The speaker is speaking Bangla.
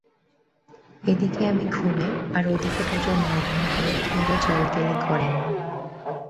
এদিকে আমি ঘুমে আর ওদিকে দুজনে নগ্ন হয়ে পুলে জলকেলি করেন।